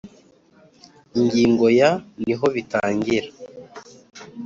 ingingo ya niho bitangira